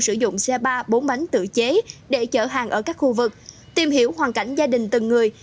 sử dụng xe ba bốn bánh tự chế để chở hàng ở các khu vực tìm hiểu hoàn cảnh gia đình từng người